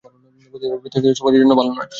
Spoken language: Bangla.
পতিতাবৃত্তি সমাজের ভালোর জন্য নয়।